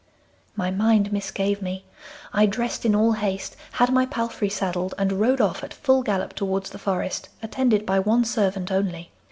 'My mind misgave me. I dressed in all haste, had my palfrey saddled, and rode of at full gallop towards the forest, attended by one servant only.